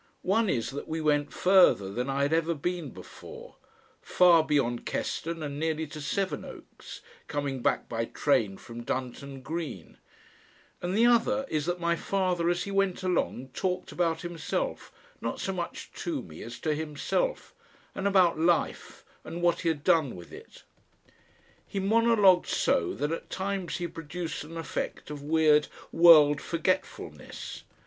One is that we went further than I had ever been before; far beyond Keston and nearly to Seven oaks, coming back by train from Dunton Green, and the other is that my father as he went along talked about himself, not so much to me as to himself, and about life and what he had done with it. He monologued so that at times he produced an effect of weird world forgetfulness.